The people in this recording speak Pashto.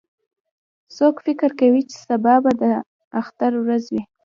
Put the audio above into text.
څوک فکر کوي چې سبا به د اختر ورځ وي